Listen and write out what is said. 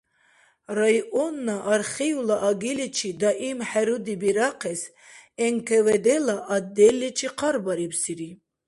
Районна архивла агиличи даим хӏеруди бирахъес НКВД-ла отделличи хъарбарибсири.